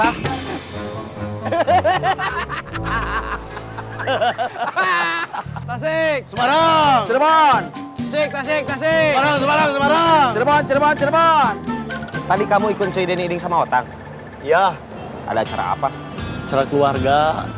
kita itu fellow dengan para musik kita